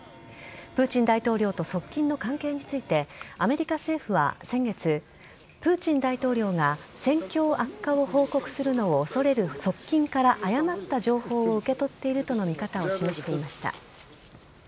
プーチン大統領と側近の関係についてアメリカ政府は先月プーチン大統領が戦況悪化を報告するのを恐れる側近から誤った情報を受け取っているとの見方を示していました。